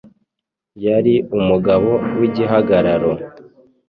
yari umugabo w’igihagararo